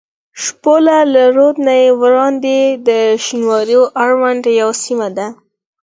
شپوله له رود نه وړاندې د شینوارو اړوند یوه سیمه ده.